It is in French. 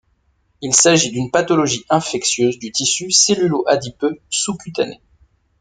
Il s'agit d'une pathologie infectieuse du tissu cellulo-adipeux sous-cutané.